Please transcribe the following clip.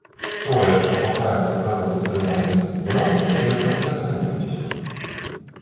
Тое, што паўтараецца ў прыродзе тры разы, у навуцы завецца заканамернасцю.